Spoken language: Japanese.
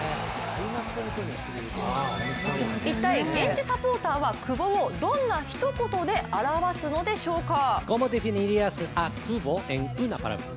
一体、現地サポーターは久保をどんなひと言で表すのでしょうか。